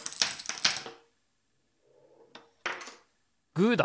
グーだ！